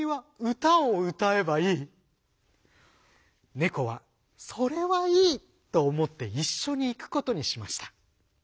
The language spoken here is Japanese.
ネコは「それはいい！」とおもっていっしょにいくことにしました。